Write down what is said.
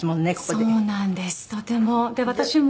そうなんですとても。